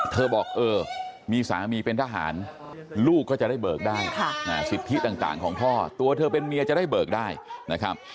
เธอบอกเออมีสามีเป็นทหารลูกก็จะได้เบิกได้สิทธิต่างของพ่อตัวเธอเป็นเมียจะได้เบิกได้นะครับ